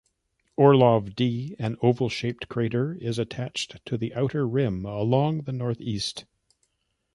Orlov D, an oval-shaped crater, is attached to the outer rim along the northeast.